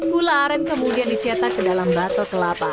gula aren kemudian dicetak ke dalam batok kelapa